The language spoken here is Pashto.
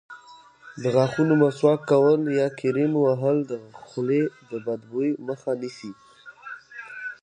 د غاښونو مسواک کول یا کریم وهل د خولې د بدبویۍ مخه نیسي.